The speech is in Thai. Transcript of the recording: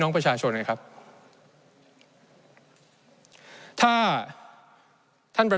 ในช่วงที่สุดในรอบ๑๖ปี